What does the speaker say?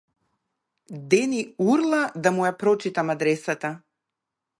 Дени урла да му ја прочитам адресата.